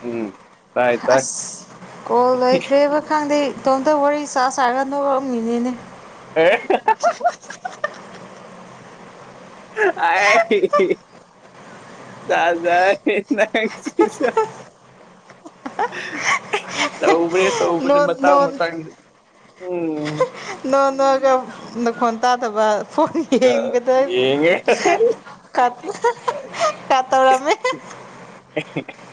ꯎꯝ ꯇꯥꯏ ꯇꯥꯏ ꯑꯁ ꯀꯣꯜ ꯂꯣꯏꯈ꯭ꯔꯦꯕ ꯈꯪꯗꯦ ꯏꯇꯣꯝꯇ ꯋꯥꯔꯤ ꯁꯥ ꯁꯥꯔꯒ ꯅꯔꯝꯃꯤꯅꯤꯅꯦ [unintelligible] ꯑꯥꯏ [unintelligible] ꯇꯧꯕꯅꯦ ꯇꯧꯕꯅꯦ ꯅꯣꯛ ꯃꯇꯥꯡ ꯅꯣꯛ ꯃꯇꯥꯡꯗ ꯎꯝ [unintelligible] ꯅꯈꯣꯟ ꯇꯥꯗꯕ ꯐꯣꯟ ꯌꯦꯡꯉꯦ [unintelligible] [inaudible]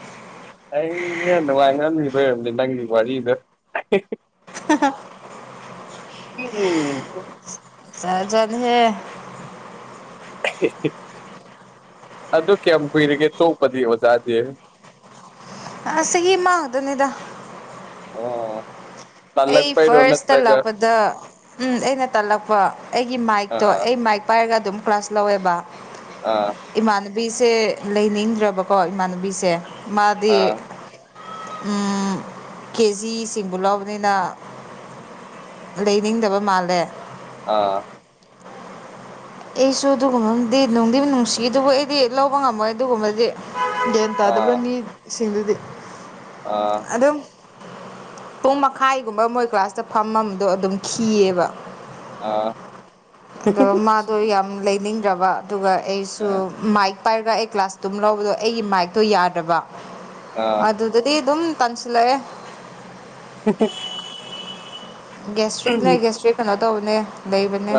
ꯑꯩꯅꯦ ꯅꯨꯡꯉꯥꯏ ꯃꯟꯈꯤꯕꯩ ꯑꯣꯏꯔꯝꯅꯦ ꯅꯪꯒꯤ ꯋꯥꯔꯤꯗ [inaudible] [unintelligible] [unintelligible] ꯑꯗꯨ ꯀꯌꯥꯝ ꯀꯨꯏꯔꯒꯦ ꯇꯣꯛꯄꯗꯤ ꯑꯣꯖꯥꯗꯤ ꯑꯁ ꯍ ꯃꯥꯥꯡꯗꯅꯤꯗ ꯑꯣ ꯑꯩ ꯇꯜꯂꯛꯄꯩꯔꯣ ꯐꯥꯔꯁ ꯅꯠꯇ꯭ꯔꯒ ꯇꯠꯜꯂꯛꯄꯗ ꯎ ꯑꯩꯅ ꯇꯜꯂꯛꯄ ꯑꯩꯒꯤ ꯃꯥꯏꯛꯇꯣ ꯑꯥ ꯑꯩ ꯃꯥꯏꯛ ꯄꯥꯏꯔꯒ ꯑꯗꯨꯝ ꯀ꯭ꯂꯥꯁ ꯂꯧꯋꯦꯕ ꯑꯥ ꯏꯃꯥꯟꯅꯕꯤꯁꯦ ꯂꯩꯅꯤꯡꯗ꯭ꯔꯕꯀꯣ ꯏꯃꯥꯟꯅꯕꯤꯁꯦ ꯃꯥꯗꯤ ꯑꯥ ꯎꯝ ꯀꯦꯖꯤ ꯁꯤꯁꯤꯡꯒꯣꯂ ꯅꯤꯅ ꯂꯩꯅꯤꯡꯗꯕ ꯃꯥꯜꯂꯦ ꯑꯥ ꯑꯩꯁꯨ ꯑꯗꯨꯒꯨꯝꯕꯗꯤ ꯅꯨꯡꯗꯤꯕꯨ ꯅꯨꯡꯁꯤ ꯑꯗꯨꯕꯨ ꯑꯩꯗꯤ ꯂꯧꯕ ꯉꯝꯃꯣꯏ ꯑꯗꯨꯒꯨꯝꯕꯗꯤ ꯒ꯭ꯌꯥꯟ ꯇꯥꯗꯕ ꯑꯥ ꯃꯤꯁꯤꯡꯗꯨꯗꯤ ꯑ ꯑꯗꯨꯝ ꯄꯨꯡ ꯃꯈꯥꯏꯒꯨꯝꯕ ꯃꯣꯏ ꯀ꯭ꯂꯥꯁꯇ ꯐꯝꯃꯝꯕꯗꯣ ꯑꯗꯨꯝ ꯈꯤꯌꯦꯕ ꯑꯥ ꯑꯗꯣ ꯃꯥꯗꯣ ꯌꯥꯝ ꯂꯩꯅꯤꯡꯗ꯭ꯔꯕ ꯑꯗꯨꯒ ꯑꯩꯁꯨ ꯑꯥ ꯃꯥꯏꯛ ꯄꯥꯏꯔꯒ ꯑꯩ ꯒ꯭ꯂꯥꯁ ꯇꯝ ꯂꯧꯕꯗꯣ ꯑꯩꯒꯤ ꯃꯥꯏꯛꯇꯣ ꯌꯥꯗ꯭ꯔꯕ ꯑꯥ ꯑꯥ ꯑꯗꯨ ꯑꯗꯨꯗꯤ ꯑꯗꯨꯝ ꯇꯥꯟꯁꯤꯜꯂꯛꯑꯦ [unintelligible] ꯒꯦꯁꯇ꯭ꯔꯤꯛꯅꯦ ꯒꯦꯁꯇ꯭ꯔꯤꯛ ꯀꯩꯅꯣ ꯇꯧꯕꯅꯦ ꯂꯩꯕꯅꯦ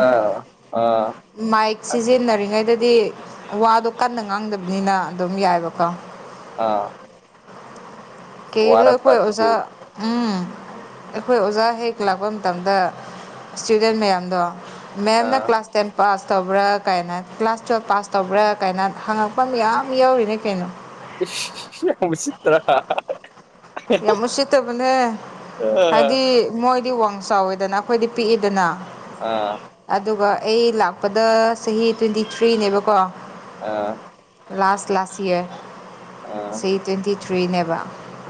ꯑꯥ ꯃꯥꯏꯛ ꯑꯁ ꯁꯤꯖꯤꯟꯅꯔꯤꯉꯩꯗꯗꯤ ꯋꯥꯗꯣ ꯀꯟꯅ ꯉꯥꯡꯗꯕꯅꯤꯅ ꯑꯗꯨꯝ ꯌꯥꯏꯕꯀꯣ ꯑꯥ ꯀꯩꯔ ꯋꯥꯔꯛꯄ ꯑꯩꯈꯣꯏ ꯑꯗꯨꯗꯤ ꯑꯣꯖꯥ ꯎꯝ ꯑꯩꯈꯣꯏ ꯑꯣꯖꯥ ꯍꯦꯛ ꯂꯥꯛꯄ ꯃꯇꯝꯗ ꯏꯁꯇꯨꯗꯦꯟ ꯃꯌꯥꯝꯗꯣ ꯃꯦꯝ ꯅ ꯑꯥ ꯀ꯭ꯂꯥꯁ ꯇꯦꯟ ꯄꯥꯁ ꯇꯧꯕ꯭ꯔꯥ ꯀꯥꯏꯅ ꯀ꯭ꯂꯥꯁ ꯇꯨꯌꯦꯜꯞ ꯄꯥꯁ ꯇꯧꯕ꯭ꯔꯥ ꯀꯥꯏꯅ ꯍꯪꯉꯛꯄ ꯃꯌꯥꯝ ꯌꯥꯎꯔꯤꯅꯦ ꯀꯩꯅꯣ [unintelligible] ꯌꯥꯝ ꯃꯨꯠꯁꯤꯠꯇꯕꯅꯦ ꯍꯥꯏꯗꯤ ꯃꯣꯏꯗꯤ ꯋꯥꯡ ꯆꯥꯎꯋꯦꯗꯅ ꯑꯩꯈꯣꯏꯗꯤ ꯄꯤꯛꯏꯗꯅ ꯑꯥ ꯑꯗꯨꯒ ꯑꯩ ꯂꯥꯛꯄꯗ ꯆꯍꯤ ꯇ꯭ꯋꯦꯟꯇꯤ ꯊ꯭ꯔꯤꯅꯦꯕꯀꯣ ꯑꯥ ꯂꯥꯁ ꯂꯥꯁ ꯏꯔ ꯁꯤ ꯇ꯭ꯋꯦꯟꯇꯤ ꯊ꯭ꯔꯤꯅꯦꯕ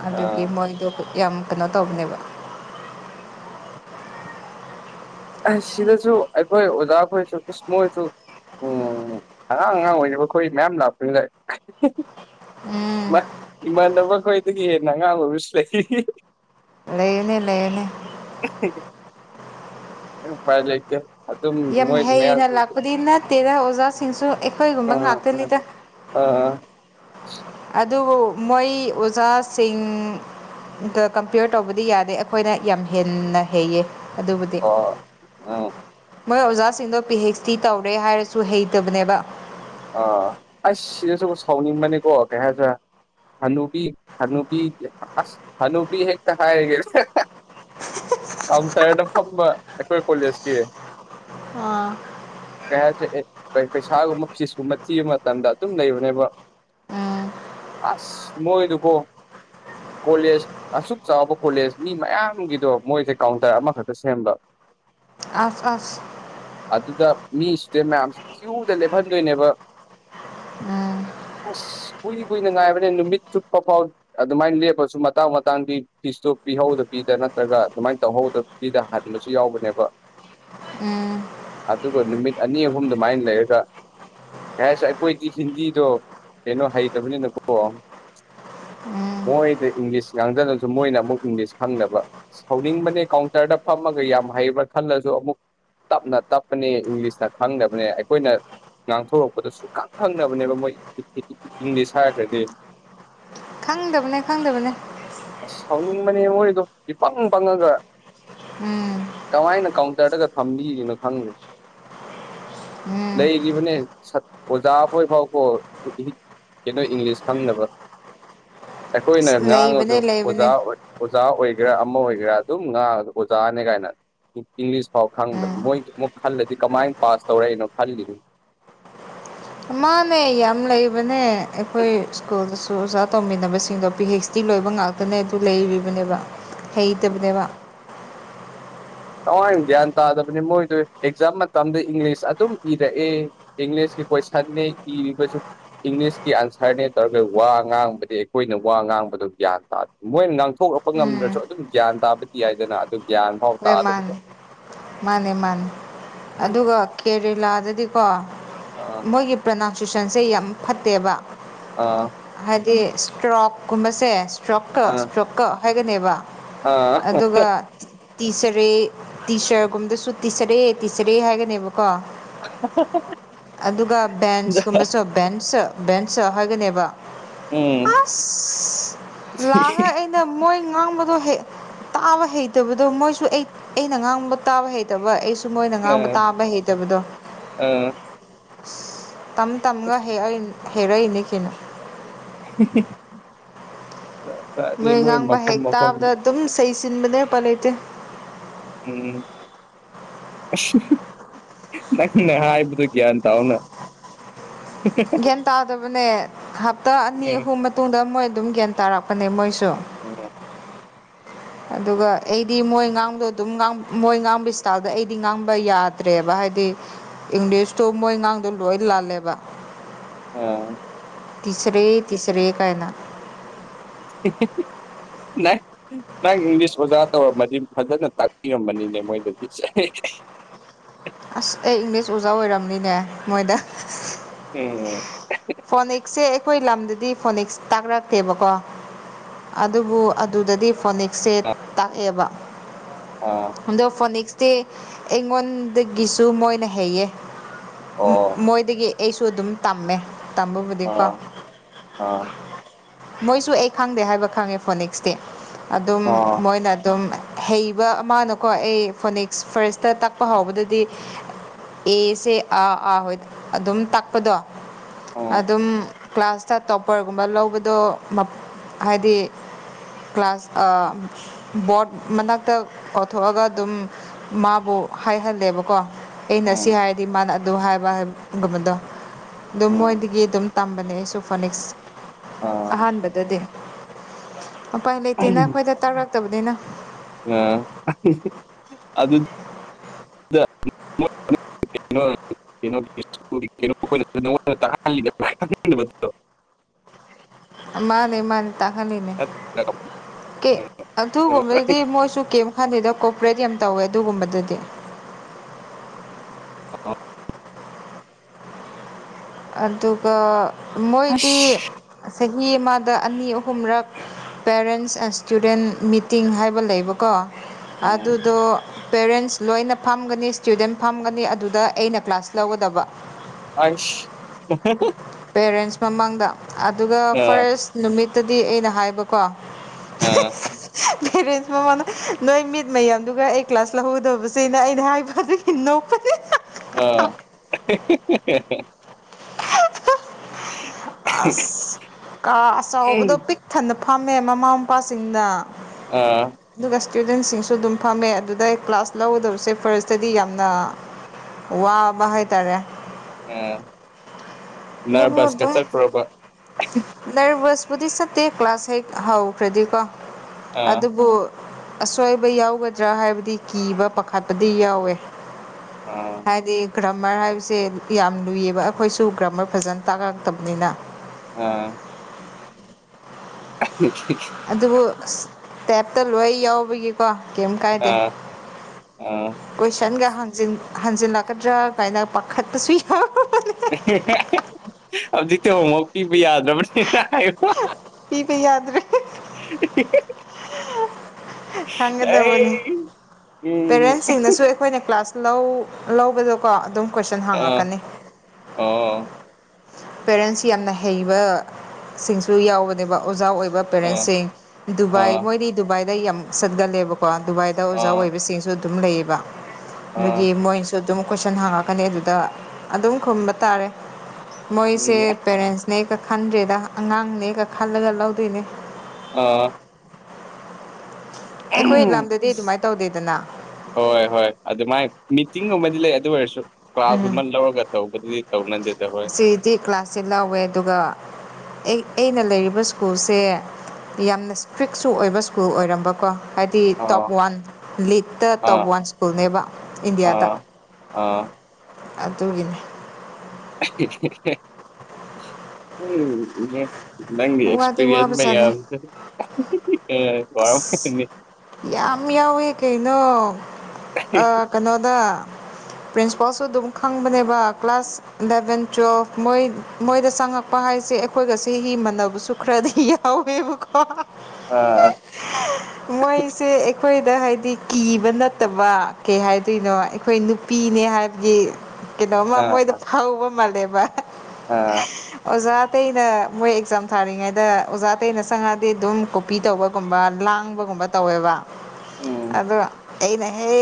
ꯑꯗꯨ ꯑꯥ ꯃꯣꯏꯗꯣ ꯌꯥꯝ ꯀꯩꯅꯣ ꯇꯧꯕꯅꯦꯕ ꯑꯁ ꯁꯤꯗꯁꯨ ꯑꯩꯈꯣꯏ ꯑꯣꯖꯥꯈ ꯑꯣꯏꯔꯁꯨ ꯀ꯭ꯔꯤꯁꯃ ꯑꯣꯏꯔꯁꯨ ꯎꯝ ꯑꯉꯥꯡ ꯑꯉꯥꯡ ꯑꯣꯏꯔꯤꯕ ꯑꯩꯈꯣꯏ ꯃꯌꯥꯝ ꯂꯥꯛꯄꯅꯤ ꯂꯥꯏ ꯎꯝ ꯏꯃꯥꯟꯅꯕ ꯈꯈꯣꯏꯗꯒꯤ ꯍꯦꯟꯅ ꯑꯉꯥꯡ ꯑꯣꯏ ꯑꯃꯁꯁꯨ ꯂꯩ ꯅ ꯂꯩꯅꯦ ꯑꯩ ꯎꯄꯥꯏ ꯂꯩꯇꯦ ꯑꯗꯨꯝ ꯌꯥꯝ ꯃꯣꯏ ꯍꯩꯅ ꯃꯌꯥꯝꯁꯨ ꯂꯥꯛꯄꯗꯤ ꯅꯠꯇꯦꯗ ꯑꯣꯖꯥꯁꯤꯡꯁꯨ ꯑꯩꯈꯣꯏꯒꯨꯝꯕ ꯉꯥꯛꯇꯅꯤꯗ ꯑ ꯑꯗꯨꯕꯨ ꯃꯣꯏ ꯑꯣꯖꯥꯁꯤꯡ ꯀꯝꯄꯤꯌꯔ ꯇꯧꯕꯗꯤ ꯌꯥꯗꯦ ꯑꯩꯈꯣꯏꯅ ꯌꯥꯝ ꯍꯦꯟꯅ ꯍꯩꯌꯦ ꯑꯗꯨꯕꯨꯗꯤ ꯑꯣ ꯎꯝ ꯃꯣꯏ ꯑꯣꯖꯥꯁꯤꯡꯗꯣ ꯄꯤ ꯍꯩꯆ ꯗꯤ ꯇꯧꯔꯦ ꯍꯥꯏꯔꯁꯨ ꯍꯩꯇꯕꯅꯦꯕ ꯑ ꯑꯩꯁ ꯁꯤꯗꯁꯨ ꯁꯥꯎꯅꯤꯡꯕꯅꯤꯀꯣ ꯀꯩ ꯍꯥꯏꯁꯤꯔꯦ ꯍꯅꯨꯕꯤ ꯍꯅꯨꯕꯤ ꯍꯅꯨꯕꯤ ꯍꯦꯛꯛꯇ ꯍꯥꯏꯒꯦ ꯀꯥꯎꯟꯇꯔꯗ ꯐꯝꯕ ꯑꯩꯈꯣꯏ ꯀꯣꯂꯦꯖꯀꯤ ꯑꯥ ꯀꯦ ꯄꯩꯁꯥꯒꯨꯝꯕ ꯐꯤꯁꯀꯨꯝꯕ ꯊꯤꯕ ꯃꯇꯝꯗ ꯑꯗꯨꯝ ꯂꯩꯕꯨꯅꯦꯕ ꯎꯝ ꯑꯁ ꯃꯣꯏꯗꯨꯀꯣ ꯀꯣꯂꯖ ꯑꯁꯨꯛ ꯆꯥꯎꯕ ꯀꯣꯂꯦꯖ ꯃꯤ ꯃꯌꯥꯝꯒꯤꯗꯣ ꯃꯣꯏꯁꯦ ꯀꯥꯎꯟꯇꯔ ꯑꯃꯈꯛꯇ ꯁꯦꯝꯕ ꯑꯁ ꯑꯁ ꯑꯗꯨꯗ ꯃꯤ ꯏꯁꯇꯨꯗꯦꯟ ꯃꯌꯥꯝꯁꯤ ꯀ꯭ꯌꯨꯗ ꯂꯦꯞꯍꯟꯗꯣꯏꯅꯦꯕ ꯎꯝ ꯑꯁ ꯀꯨꯏ ꯀꯨꯏꯅ ꯉꯥꯏꯕꯅꯦ ꯅꯨꯃꯤꯠ ꯆꯨꯞꯠꯄ ꯐꯥꯎ ꯑꯗꯨꯃꯥꯏꯅ ꯂꯦꯞꯄꯁꯨ ꯃꯇꯥꯡ ꯃꯇꯥꯡꯗꯤ ꯐꯤꯁꯇꯣ ꯄꯤꯍꯧꯗ ꯄꯤꯗ ꯅꯠꯇ꯭ꯔꯒ ꯑꯗꯨꯃꯥꯏꯅ ꯇꯧꯍꯧꯗ ꯄꯗ ꯍꯟꯕꯁꯨ ꯌꯥꯎꯕꯅꯦꯕ ꯎꯝ ꯑꯗꯨꯒ ꯅꯨꯃꯤꯠ ꯑꯅꯤ ꯑꯍꯨꯝ ꯑꯗꯨꯃꯥꯏꯅ ꯂꯩꯔꯒ ꯌꯥꯁ ꯑꯩꯈꯣꯏꯗꯤ ꯍꯤꯟꯗꯤꯗꯣ ꯀꯩꯅꯣ ꯍꯩꯇꯕꯅꯤꯅꯀꯣ ꯎꯝ ꯃꯣꯏꯗ ꯏꯪꯂꯤꯁ ꯉꯥꯡꯗꯅꯕꯁꯨ ꯃꯣꯏꯅ ꯑꯃꯨꯛ ꯏꯪꯂꯤꯁ ꯈꯪꯗꯕ ꯁꯧꯅꯤꯡꯕꯅꯦ ꯀꯥꯎꯟꯇꯔꯗ ꯐꯝꯃꯒ ꯌꯥꯝ ꯍꯩꯕ꯭ꯔꯥ ꯈꯜꯂꯁꯨ ꯑꯃꯨꯛ ꯇꯞꯅ ꯇꯞꯄꯅꯦ ꯏꯪꯂꯤꯁꯅ ꯈꯪꯗꯕꯅꯦ ꯑꯩꯈꯣꯏꯅ ꯉꯥꯡꯊꯣꯔꯛꯄꯗ ꯁꯨꯡꯈꯪ ꯈꯪꯅꯕꯅꯦꯕ ꯃꯣꯏ ꯏꯪꯂꯤꯁ ꯍꯥꯏꯔꯈ꯭ꯔꯗꯤ ꯈꯪꯗꯕꯅꯦ ꯈꯪꯗꯕꯅꯦ ꯑꯁ ꯁꯥꯎꯅꯤꯡꯕꯅꯦ ꯃꯣꯏꯗꯣ ꯏꯄꯪ ꯄꯪꯉꯒ ꯎꯝ ꯀꯃꯥꯏꯅ ꯀꯥꯎꯟꯇꯔꯗꯒ ꯊꯝꯕꯤꯒꯅꯣ ꯈꯪꯗꯦ ꯎꯝ ꯂꯩꯔꯤꯕꯅꯦ ꯑꯣꯖꯥꯕꯣꯏꯐꯥꯎꯀꯣ ꯀꯩꯅꯣ ꯏꯪꯂꯤꯁ ꯈꯪꯅꯕ ꯑꯩꯈꯣꯏꯅ ꯂꯩꯕꯅꯦ ꯉꯥꯡꯉꯁꯨ ꯑꯣꯖꯥ ꯂꯩꯕꯅꯦ ꯑꯣꯏ ꯑꯣꯖꯥ ꯑꯣꯏꯒꯦꯔꯥ ꯑꯃ ꯑꯣꯏꯒꯦꯔꯥ ꯑꯗꯨꯝ ꯉꯥ ꯑꯣꯖꯥꯅꯦ ꯀꯥꯏꯅ ꯏꯪꯂꯤꯁ ꯐꯥꯎ ꯈꯪꯗꯕ ꯃꯣꯏ ꯑꯃꯨꯛ ꯈꯜꯂꯗꯤ ꯀꯃꯥꯏꯅ ꯄꯥꯁ ꯇꯧꯔꯛꯏꯅꯣ ꯈꯜꯂꯤꯅꯣ ꯃꯥꯃꯦ ꯌꯥꯝ ꯂꯩꯕꯅꯦ ꯑꯩꯈꯣꯏ ꯁ꯭ꯀꯨꯜꯗꯁꯨ ꯑꯣꯖ ꯑꯣꯖꯥ ꯇꯧꯃꯤꯟꯅꯕꯁꯤꯡꯗꯣ ꯄꯤ ꯍꯩꯆ ꯗꯤ ꯂꯣꯏꯕ ꯉꯥꯛꯇꯅꯦ ꯑꯗꯨ ꯂꯩꯔꯤꯕꯅꯦꯕ ꯍꯩꯇꯕꯅꯦꯕ ꯇꯃꯥꯏꯅ ꯒ꯭ꯌꯥꯟ ꯇꯥꯗꯕꯅꯤ ꯃꯣꯏꯗꯨ ꯑꯦꯛꯖꯥꯝ ꯃꯇꯝꯗ ꯏꯪꯂꯤꯁ ꯑꯗꯨꯝ ꯏꯔꯛꯑꯦ ꯏꯪꯂꯤꯁꯀꯤ ꯀꯣꯏ ꯁꯟꯅꯤ ꯏ ꯀꯁꯨ ꯏꯪꯂꯤꯁꯀꯤ ꯑꯟꯁꯔꯅꯦ ꯇꯧꯔꯒ ꯋꯥ ꯉꯥꯡꯕꯗꯤ ꯑꯩꯈꯣꯏꯅ ꯋꯥ ꯉꯥꯡꯕꯗꯣ ꯒ꯭ꯌꯥꯟ ꯇꯥꯗꯦ ꯃꯣꯏ ꯉꯥꯡꯊꯣꯛꯂꯛꯄ ꯎꯝ ꯉꯝꯗ꯭ꯔꯁꯨ ꯑꯗꯨꯝ ꯒ꯭ꯌꯥꯟ ꯇꯥꯕꯗꯤ ꯌꯥꯏꯗꯅ ꯑꯗꯨ ꯒ꯭ꯌꯥꯟ ꯐꯥꯎ ꯇꯥꯗꯕꯗꯣ ꯔꯦꯃꯅꯤ ꯃꯥꯅꯦ ꯃꯥꯅꯦ ꯑꯗꯨꯒ ꯀꯦꯔꯦꯂꯥꯗꯗꯤꯀꯣ ꯑ ꯃꯣꯏꯒꯤ ꯄ꯭ꯔꯅꯥꯎꯟꯁꯤꯁꯟꯁꯦ ꯌꯥꯝ ꯐꯠꯇꯦꯕ ꯑꯥ ꯍꯥꯏꯗꯤ ꯏꯁꯇ꯭ꯔꯣꯛꯀꯨꯝꯕꯁꯦ ꯁꯇ꯭ꯔꯣꯛꯀ ꯑꯥ ꯁꯇ꯭ꯔꯣꯛꯀ ꯍꯥꯏꯒꯅꯦꯕ ꯑꯥ ꯑꯗꯨꯒ ꯇꯤꯆꯔꯦ ꯇꯤꯆ꯭ꯔꯒꯨꯝꯗꯁꯨ ꯇꯤꯆꯔꯦ ꯇꯤꯆꯔꯦ ꯍꯥꯏꯒꯅꯦꯕꯀꯣ ꯑꯗꯨꯒ ꯑꯥ ꯕꯦꯟꯁꯀꯨꯝꯕꯁꯨ ꯕꯦꯟ ꯁ ꯕꯦꯟ ꯁ ꯍꯥꯏꯒꯅꯦꯕ ꯎꯝ ꯑꯍ ꯂꯥꯛꯑꯒ ꯑꯩꯅ ꯃꯣꯏ ꯉꯥꯡꯕꯗꯣ ꯍꯩ ꯇꯥꯕ ꯍꯩꯇꯕꯗꯣ ꯃꯣꯏꯁꯨ ꯑꯩ ꯑꯩꯅ ꯉꯥꯡꯕ ꯇꯥꯕ ꯍꯩ ꯍꯩꯇꯕ ꯑꯩꯁꯨ ꯃꯣꯏꯅ ꯑ ꯉꯥꯡꯕ ꯇꯥꯕ ꯍꯩꯇꯕꯗꯣ ꯑꯥ ꯑꯁ ꯇꯝ ꯇꯝꯒ ꯍ ꯍꯦꯔꯛꯏꯅꯤ ꯀꯩꯅꯣ ꯑ ꯃꯣꯏ ꯉꯥꯡꯕ ꯍꯦꯛ ꯇꯥꯕꯗ ꯑꯗꯨꯝ ꯁꯁꯤꯟꯕꯅꯦ ꯍꯦꯄ ꯂꯩꯇꯦ ꯀ ꯅꯪꯅ ꯍꯥꯏꯕꯗꯨ ꯒ꯭ꯌꯥꯟ ꯇꯧꯅ ꯒ꯭ꯌꯥꯟ ꯇꯥꯗꯕꯅꯦ ꯍꯞꯇꯥ ꯑꯅꯤ ꯎꯝ ꯑꯍꯨꯝ ꯃꯇꯨꯡꯗ ꯃꯣꯏ ꯑꯗꯨꯝ ꯒ꯭ꯌꯥꯟ ꯇꯥꯔꯛꯄꯅꯦ ꯃꯣꯏꯁꯨ ꯑꯗꯨꯒ ꯑꯩꯗꯤ ꯃꯣꯏ ꯉꯥꯡꯕꯗꯣ ꯑꯗꯨꯝ ꯃꯣꯏ ꯉꯥꯡꯕ ꯏꯁꯇꯥꯏꯜꯗ ꯑꯩꯗꯤ ꯉꯥꯡꯕ ꯌꯥꯗ꯭ꯔꯦꯕ ꯍꯥꯏꯗꯤ ꯏꯪꯂꯤꯁꯇꯣ ꯃꯣꯏ ꯑꯉꯥꯡꯗꯣ ꯂꯣꯏ ꯂꯥꯜꯂꯦꯕ ꯑ ꯇꯤꯁꯔꯦ ꯇꯤꯁꯔꯦ ꯀꯥꯏꯅ ꯅꯪ ꯅꯪ ꯏꯪꯂꯤꯁ ꯑꯣꯖꯥ ꯇꯧꯔꯝꯃꯗꯤ ꯐꯖꯅ ꯇꯥꯛꯄꯤꯔꯝꯒꯅꯤꯅꯦ ꯃꯣꯏꯗꯗꯤ ꯑꯁ ꯑꯩ ꯏꯪꯂꯤꯁ ꯑꯣꯖꯥ ꯑꯣꯏꯔꯝꯅꯤꯅꯦ ꯃꯣꯏꯗ ꯎꯝ ꯐꯣꯅꯤꯛꯁꯁꯦ ꯑꯩꯈꯣꯏ ꯂꯝꯗꯗꯤ ꯐꯣꯅꯤꯛꯁ ꯇꯥꯛꯔꯛꯇꯦꯕꯀꯣ ꯑꯗꯨꯕꯨ ꯑꯗꯨꯗꯗꯤ ꯐꯣꯅꯤꯛꯁꯁꯦ ꯇꯥꯛꯑꯦꯕ ꯑꯣ ꯑꯗꯣ ꯐꯣꯅꯤꯛꯁꯇꯤ ꯑꯩꯉꯣꯟꯗꯒꯤꯁꯨ ꯃꯣꯏꯅ ꯍꯩꯌꯦ ꯑꯣ ꯃꯣꯏꯗꯒꯤ ꯑꯩꯁꯨ ꯑꯗꯨꯝ ꯇꯝꯃꯦ ꯇꯝꯕꯕꯨꯗꯤꯀꯣ ꯑꯥ ꯑꯥ ꯃꯣꯏꯁꯨ ꯑꯩ ꯈꯪꯗꯦ ꯍꯥꯏꯕ ꯈꯪꯉꯦ ꯐꯣꯅꯤꯛꯁꯇꯤ ꯑꯗꯨꯝ ꯑꯥ ꯃꯣꯏꯅ ꯑꯗꯨꯝ ꯍꯩꯕ ꯑꯃꯅꯀꯣ ꯑꯩ ꯐꯣꯅꯤꯛꯁ ꯐꯥꯔꯁꯇ ꯇꯥꯛꯄ ꯍꯥꯎꯕꯗꯗꯤ ꯑꯦꯁꯦ ꯑꯥ ꯑꯥ ꯍꯣꯏ ꯑꯗꯨꯝ ꯇꯥꯛꯄꯗꯣ ꯎꯝ ꯑꯗꯨꯝ ꯀ꯭ꯂꯥꯁꯇ ꯇꯣꯄ꯭ꯔꯒꯨꯝꯕ ꯂꯧꯕ ꯑꯗꯣ ꯍꯥꯏꯗꯤ ꯀ꯭ꯂꯥꯁ ꯑ ꯕꯣꯠ ꯃꯅꯥꯛꯇ ꯀꯧꯊꯣꯛꯑꯒ ꯑꯗꯨꯝ ꯃꯥꯕꯨ ꯍꯥꯏꯍꯜꯂꯦꯕꯀꯣ ꯑꯩꯅ ꯁꯤ ꯎꯝ ꯍꯥꯏꯔꯗꯤ ꯃꯥꯅ ꯑꯗꯨ ꯍꯥꯏꯕ ꯍꯥꯏꯒꯨꯝꯕꯗꯣ ꯑꯗꯨꯝ ꯎꯝ ꯃꯣꯏꯗꯒꯤ ꯑꯗꯨꯝ ꯇꯝꯕꯅꯦ ꯑꯩꯁꯨ ꯐꯣꯅꯤꯛꯁ ꯑꯥ ꯑꯍꯥꯟꯕꯗꯗꯤ ꯎꯄꯥꯏ ꯂꯩꯇꯦꯅ ꯑꯩꯈꯣꯏꯗ ꯇꯥꯔꯛꯇꯕꯅꯤꯅ ꯑ ꯑꯗꯨ ꯗ [unintelligible] ꯑꯃꯥꯅꯦ ꯃꯥꯅꯦ ꯇꯥꯛꯍꯜꯂꯤꯅꯦ ꯀꯦ ꯑꯗꯨꯒꯨꯝꯕꯗꯗꯤ ꯃꯣꯏꯁꯨ ꯀꯦꯝ ꯈꯟꯗꯦꯗ ꯀꯣꯄꯔꯦꯠ ꯌꯥꯝ ꯇꯧꯋꯦ ꯑꯗꯨꯒꯨꯝꯕꯗꯗꯤ ꯑꯗꯨꯒ ꯃꯣꯏꯗꯤ ꯑꯁ ꯆꯍꯤ ꯑꯃꯗ ꯑꯅꯤ ꯑꯍꯨꯝꯔꯛ ꯄꯦꯔꯦꯟꯁ ꯑꯦꯁꯇꯨꯗꯦꯟ ꯃꯤꯇꯤꯡ ꯍꯥꯏꯕ ꯂꯩꯕꯀꯣ ꯑꯗꯨꯗꯣ ꯄꯦꯔꯦꯟꯁ ꯂꯣꯏꯅ ꯐꯝꯒꯅꯤ ꯏꯁꯇꯨꯗꯦꯟ ꯐꯝꯒꯅꯤ ꯑꯗꯨꯗ ꯑꯩꯅ ꯀ꯭ꯂꯥꯁ ꯂꯧꯒꯗꯕ ꯑꯥꯏꯁ ꯄꯦꯔꯦꯟꯁ ꯃꯃꯥꯡꯗ ꯑꯗꯨꯒ ꯑꯥ ꯐꯥꯔꯁ ꯅꯨꯃꯤꯠꯇꯗꯤ ꯑꯩꯅ ꯍꯥꯏꯕꯀꯣ ꯑ ꯄꯦꯔꯦꯟꯁ ꯃꯃꯥꯅ ꯅꯣꯏ ꯃꯤꯠ ꯃꯌꯥꯝꯗꯨꯒ ꯑꯩ ꯀ꯭ꯂꯥꯁ ꯂꯧꯍꯧꯗꯕꯁꯅꯦ ꯑꯩꯅ ꯍꯥꯏꯕ ꯑꯗꯨꯒꯤ ꯅꯣꯛꯄꯗꯤ ꯑꯥ [inaudible] ꯑꯁ ꯀꯥ ꯑꯆꯕꯗꯣ ꯄꯤꯛ ꯊꯟꯅ ꯐꯝꯃꯦ ꯃꯃꯥ ꯃꯄꯥꯁꯤꯡꯅ꯫ ꯑꯥ꯫ ꯑꯗꯨꯒ ꯏꯁꯇꯨꯗꯦꯟꯁꯤꯡꯁꯨ ꯑꯗꯨꯝ ꯐꯝꯃꯦ ꯑꯗꯨꯗ ꯑꯩ ꯀ꯭ꯂꯥꯁ ꯂꯧꯒꯗꯕꯁꯦ ꯐꯥꯔꯁꯇꯗꯤ ꯌꯥꯝꯅ꯫ ꯋꯥꯕ ꯍꯥꯢꯇꯥꯔꯦ꯫ ꯎꯝ ꯅꯔꯚꯁꯀ ꯆꯠꯄ꯭ꯔꯕ꯫ ꯅ꯭ꯔꯚꯁꯄꯨꯗꯤ ꯆꯠꯇꯦ ꯀ꯭ꯂꯥꯁ ꯍꯦꯛ ꯍꯧꯈ꯭ꯔꯗꯤꯀꯣ ꯑꯥ ꯑꯗꯨꯕꯨ ꯑꯁꯣꯏꯕ ꯌꯥꯎꯒꯗ꯭ꯔꯥ ꯍꯥꯏꯕꯗꯤ ꯀꯤꯕ ꯄꯥꯈꯠꯄꯗꯤ ꯌꯥꯎꯋꯦ ꯑ ꯍꯥꯏꯗꯤ ꯒ꯭ꯔꯝꯃ꯭ꯔ ꯍꯥꯏꯕꯁꯦ ꯌꯥꯝ ꯂꯨꯏꯌꯦꯕ ꯑꯩꯈꯣꯏꯁꯨ ꯒ꯭ꯔꯃ꯭ꯔ ꯐꯖꯅ ꯇꯥꯛꯂꯛꯇꯕꯅꯤꯅ ꯑ ꯁ [unintelligible] ꯑꯗꯨꯕꯨ ꯇꯦꯞꯇ ꯂꯣꯏ ꯌꯥꯎꯕꯒꯤ꯫ ꯀꯣ ꯀꯩꯝ ꯀꯥꯏꯗꯦ ꯑꯥ ꯑꯥ ꯀꯣꯏꯁꯟꯒ ꯍꯪꯖꯤꯟ꯫ ꯍꯟꯖꯤꯜꯂꯛꯀꯗ꯭ꯔꯥ ꯀꯥꯏꯅ ꯄꯥꯈꯠꯄꯁꯨ ꯌꯥꯎ꯫ ꯍꯧꯖꯤꯛꯇꯤꯍꯃꯥꯎ ꯄꯤꯕ ꯌꯥꯗ꯭ꯔꯕꯅꯤ꯫ ꯁꯤꯇ ꯍꯥꯏ ꯄꯤꯕ ꯌꯥꯗ꯭ꯔꯦ [unintelligible] ꯈꯪꯒꯗꯧꯕꯅꯤ ꯑꯩ ꯎꯝ ꯄꯦꯔꯦꯟꯁꯁꯤꯡꯅꯁꯨ ꯑꯩꯈꯣꯏꯅ ꯀ꯭ꯂꯥꯁ꯫ ꯂꯧ ꯂꯧꯕꯗꯣꯀꯣ ꯑꯗꯨꯝ ꯀꯣꯏꯁꯟ ꯑꯥ ꯍꯥꯡꯉꯛꯀꯅꯤ꯫ ꯑꯣ꯫ ꯄꯦꯔꯦꯟꯁ ꯌꯥꯝꯅ ꯍꯩꯕ ꯁꯤꯡꯁꯨ ꯌꯥꯎꯕꯅꯦꯕ ꯑꯣꯖꯥ ꯑꯣꯏꯕ꯫ ꯑꯥ ꯄꯦꯔꯦꯟꯁꯁꯤꯡ ꯗꯨꯕꯥꯏ ꯑꯥ ꯃꯣꯏꯗꯤ ꯗꯨꯕꯥꯏꯗ ꯌꯥꯝ ꯁꯠꯒꯜꯂꯦꯕꯀꯣ ꯗꯨꯕꯥꯏꯗ ꯑꯣꯖꯥ ꯑꯥ ꯑꯣꯏꯕꯁꯤꯡꯁꯨ꯫ ꯑꯗꯨꯝ ꯂꯩꯌꯦꯕ ꯑꯥ ꯑꯗꯨꯒꯤ ꯃꯣꯏ꯫ ꯑꯗꯨ ꯑꯗꯨꯝ ꯀꯣꯏꯁꯟ ꯍꯥꯡꯉꯛꯀꯅꯤ ꯑꯗꯨꯗ ꯑꯗꯨꯝ ꯈꯨꯝꯕ ꯇꯥꯔꯦ꯫ ꯃꯣꯏꯁꯦ ꯎꯝ ꯄꯦꯔꯦꯟꯁꯅꯦꯀ ꯈꯟꯗ꯭ꯔꯦꯗ ꯑꯉꯥꯡꯅꯦꯒ ꯈꯜꯂꯒ ꯂꯧꯗꯣꯏꯅꯦ꯫ ꯑꯥ꯫ ꯑꯩꯈꯣꯏ ꯎꯝ꯫ ꯂꯝꯗꯗꯤ ꯑꯗꯨꯃꯥꯏꯅ ꯇꯧꯗꯦꯗꯅ ꯍꯣꯏ ꯍꯣꯏ ꯑꯗꯨꯃꯥꯏꯅ ꯃꯤꯇꯤꯡꯒꯨꯝꯕꯗꯤ ꯂꯩ ꯑꯗꯨ ꯑꯣꯏꯔꯁꯨ ꯎꯝ ꯀ꯭ꯂꯥꯁꯀꯨꯝꯕ ꯂꯧꯔꯒ꯫ ꯇꯧꯕꯗꯤ ꯇꯧꯅꯦꯗꯦꯗ ꯍꯣꯏ꯫ ꯁꯤꯗꯤ ꯀ꯭ꯂꯥꯁꯁꯦ ꯂꯥꯎꯋꯦ ꯑꯗꯨꯒ ꯑꯩꯅ ꯂꯩꯔꯤꯕ ꯁ꯭ꯀꯨꯜꯁꯦ꯫ ꯌꯥꯝꯅ ꯏꯁꯇ꯭ꯔꯤꯛꯁꯨ ꯑꯣꯏꯕ ꯁ꯭ꯀꯨꯜ ꯑꯣꯏꯔꯝꯕꯀꯣ꯫ ꯍꯥꯏꯗꯤ ꯇꯣꯞ ꯑꯥ ꯋꯥꯟ ꯂꯤꯛꯇ ꯇꯣꯞ ꯑꯥ ꯋꯥꯟ ꯁ꯭ꯀꯨꯜꯅꯦꯕ ꯏꯟꯗꯤꯌꯥꯗ꯫ ꯑꯥ ꯑꯥ꯫ ꯑꯗꯨꯒꯤꯅꯦ꯫ ꯎꯝ ꯏꯍꯦ꯫ ꯅꯪ ꯋꯥꯗꯤ ꯑꯦꯛꯁꯄꯤꯔꯤꯌꯦꯟꯁ ꯋꯥꯕꯖꯥꯠꯅꯦ ꯃꯌꯝ ꯁꯤꯅ ꯋꯥꯔꯝꯒꯅꯤ꯫ ꯌꯥꯝ ꯌꯥꯎꯋꯦ ꯀꯩꯅꯣ ꯑ ꯫ ꯀꯩꯅꯣꯗ ꯄ꯭ꯔꯤꯟꯁꯤꯄꯥꯜꯁꯨ ꯑꯗꯨꯝ ꯈꯪꯕꯅꯦꯕ ꯀ꯭ꯂꯥꯁ ꯏꯂꯚꯦꯟ ꯇꯨꯋꯦꯜꯐ꯫ ꯃꯣꯏ ꯃꯣꯏꯗ ꯆꯪꯉꯛꯄ ꯍꯥꯏꯁꯦ ꯑꯩꯈꯣꯏꯒ ꯁꯦ ꯍꯤ ꯃꯟꯅꯕꯁꯨ ꯈꯔꯗꯤ ꯌꯥꯎꯋꯦꯕꯀꯣ꯫ ꯑꯥ꯫ ꯃꯣꯏꯁꯦ ꯑꯩꯈꯣꯏꯗ ꯍꯥꯏꯗꯤ ꯀꯤꯕ꯫ ꯍꯥꯏꯕ ꯅꯠꯇꯕ ꯀꯩ ꯍꯥꯏꯗꯣꯏꯅꯣ ꯑꯩꯈꯣꯏ ꯅꯨꯄꯤꯅꯦ ꯍꯥꯏꯕꯒꯤ꯫ ꯀꯩꯅꯣꯃ ꯑꯥ ꯃꯣꯏꯗ ꯐꯥꯎꯕ ꯃꯥꯜꯂꯦꯕ꯫ ꯑꯥ꯫ ꯑꯣꯖꯥ ꯑꯇꯩꯩꯅ ꯃꯣꯏ ꯑꯦꯛꯖꯥꯝ ꯊꯥꯔꯤꯉꯩꯗ ꯑꯣꯖꯥꯇꯩꯩꯅ ꯁꯪꯉꯛꯗꯤ ꯑꯗꯨꯝ꯫ ꯄꯤ ꯇꯧꯕꯒꯨꯝꯕ ꯂꯥꯡꯕꯒꯨꯝꯕ ꯇꯧꯋꯦꯕ ꯎꯝ ꯑꯗꯣ꯫ ꯑꯦꯅ ꯍꯦ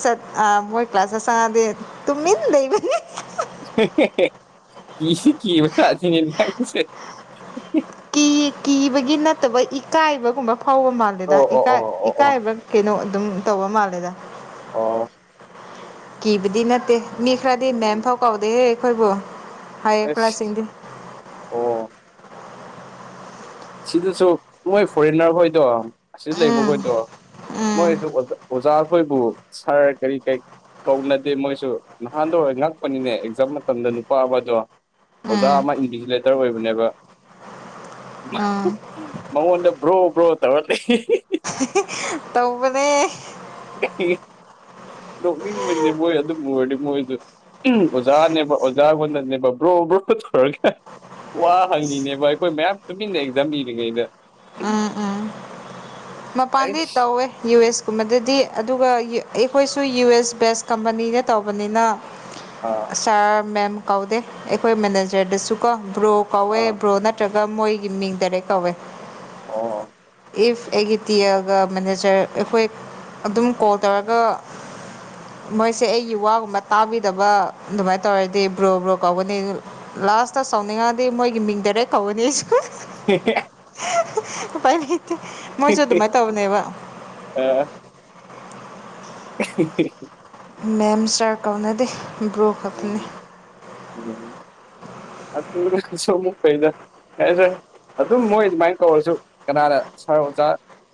ꯆꯠ ꯑ ꯃꯣꯏ ꯀ꯭ꯂꯥꯁ ꯆꯡꯑꯗꯤ ꯇꯨꯝꯃꯤ ꯂꯩꯕ꯫ ꯀꯤꯁꯨ ꯀꯤꯕ ꯖꯠꯅꯤ ꯅꯪꯁꯦ꯫ ꯀꯤꯕꯒꯤ ꯅꯠꯇꯕ ꯏꯀꯥꯏꯕꯒꯨꯝꯕ꯫ ꯐꯥꯎꯕ ꯃꯥꯜꯗꯦꯗ ꯑꯣ ꯑꯣ ꯑꯣ ꯑꯣ ꯑꯣ ꯏꯀꯥꯏꯕ ꯀꯩꯅꯣ ꯑꯗꯨꯝ ꯇꯧꯕ ꯃꯥꯜꯂꯦꯗ ꯑꯣ ꯀꯤꯕꯗꯤ ꯅꯠꯇꯦ ꯃꯤ ꯈꯔꯗꯤ ꯎꯝ ꯃꯦꯝꯐꯥꯎ ꯀꯥꯎꯗꯦꯍꯦ ꯑꯩꯈꯣꯏꯕꯨ ꯍꯥꯏꯌꯦ ꯑꯁ ꯈꯔꯁꯤꯡꯗꯤ ꯑꯣ ꯁꯤꯗꯁꯨ ꯃꯣꯏ ꯐꯣꯔꯦꯟꯅꯔ ꯍꯣꯏꯗꯣ ꯑꯁꯤ ꯎꯝ ꯂꯩꯕꯈꯣꯏꯗꯣ ꯎꯝ ꯃꯣꯏꯁꯨ ꯑꯣꯖꯥꯈꯣꯏꯕꯨ ꯁꯥꯔ ꯀꯔꯤ ꯀꯔꯤ ꯀꯧꯅꯗꯦ ꯃꯣꯏꯁꯨ ꯅꯍꯥꯟꯗꯣ ꯉꯛꯄꯅꯤꯅꯦ ꯑꯦꯛꯖꯥꯝ ꯃꯇꯝꯗ ꯅꯨꯄꯥ ꯑꯃꯗꯣ ꯑꯣꯖꯥ ꯎꯝ ꯑꯃ ꯏꯟꯚꯦꯟꯇꯤꯂꯦꯇꯔ ꯑꯣꯏꯕꯅꯦꯕ꯫ ꯑꯥ꯫ ꯃꯉꯣꯟꯗ ꯕ꯭ꯔꯣ ꯕ꯭ꯔꯣ ꯇꯧꯔ ꯂꯩ꯫ ꯇꯧꯕꯅꯦ꯫ ꯅꯣꯛꯅꯤꯡꯕꯅꯦ ꯃꯣꯏ ꯑꯗꯨꯝ ꯑꯣꯏꯔꯗꯤ ꯃꯣꯏꯗꯣ꯫ ꯎꯝ ꯑꯣꯖꯥꯅꯦꯕ ꯑꯣꯖꯥꯒꯅꯅꯦꯕ ꯕ꯭ꯔꯣ ꯕ꯭ꯔꯣ ꯇꯧꯔꯒ꯫ ꯋꯥ ꯍꯪꯉꯤꯅꯦꯕ ꯑꯩꯈꯣꯏ ꯃꯌꯥꯝ ꯇꯨꯃꯤꯟꯅ ꯑꯦꯛꯖꯥꯝ ꯏꯔꯤꯉꯩꯗ꯫ ꯎꯝ ꯎꯝ ꯃꯄꯥꯟꯗꯤ ꯑꯩꯁ ꯇꯧꯋꯦ ꯌꯨ ꯑꯦꯁ ꯨꯒꯨꯝꯕꯗꯗꯤ ꯑꯗꯨꯒ ꯑꯩꯈꯣꯏꯁꯨ ꯌꯨ ꯑꯦꯁ ꯕꯦꯁ ꯀꯝꯄꯅꯤꯅ ꯇꯧꯕꯅꯤꯅ ꯑꯥ ꯁꯥꯔ ꯃꯦꯝ ꯀꯧꯗꯦ ꯑꯩꯈꯣꯏ ꯃꯦꯅꯦꯖꯔꯗꯁꯨ ꯀꯣ ꯕ꯭ꯔꯣ ꯀꯧꯋꯦ ꯑꯥ ꯕ꯭ꯔꯣ ꯅ ꯅꯠꯇ꯭ꯔꯒ ꯃꯣꯏꯒꯤ ꯃꯤꯡ ꯗꯥꯔꯦꯛ ꯀꯧꯋꯦ ꯑꯣ ꯏꯐ ꯑꯩꯒꯤ ꯇꯤ ꯑꯦꯒ ꯃꯦꯅꯦꯖꯔ ꯑꯩꯈꯣꯏ ꯑꯗꯨꯝ ꯀꯣꯜ ꯇꯧꯔꯒ ꯃꯣꯏꯁꯦ ꯑꯩꯒꯤ ꯋꯥꯒꯨꯝꯕ ꯇꯥꯕꯤꯗꯕ ꯑꯗꯨꯃꯥꯏꯅ ꯇꯧꯔꯗꯤ ꯕ꯭ꯔꯣ ꯕ꯭ꯔꯣ ꯀꯧꯒꯅꯤ ꯂꯥꯁꯇ ꯁꯥꯎꯅꯤꯡꯉꯗꯤ ꯃꯣꯏꯒꯤ ꯃꯤꯡꯗꯔꯦ ꯀꯧꯒꯅꯤ [unintelligible] ꯃꯣꯏꯁꯨ ꯑꯗꯨꯃꯥꯏꯅ ꯇꯧꯕꯅꯦꯕ ꯑ [unintelligible] ꯃꯦꯝ ꯁꯥꯔ ꯀꯧꯅꯗꯦ ꯕ꯭ꯔꯣ ꯈꯛꯇꯅꯤ ꯎꯝ ꯎꯝ ꯑꯅꯁꯨ ꯁꯃꯨꯛ ꯐꯩꯏꯗ ꯌꯥꯁꯦ ꯑꯗꯨꯝ ꯃꯣꯏ ꯑꯗꯨꯃꯥꯏꯅ ꯀꯧꯔꯁꯨ ꯀꯅꯥꯅ ꯁꯥꯔ ꯑꯣꯖꯥ